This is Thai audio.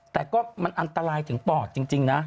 แต่ก็มันอันตรายถึงปอดจริงนะ